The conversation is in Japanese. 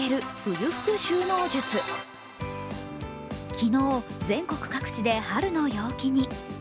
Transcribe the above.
昨日、全国各地で春の陽気に。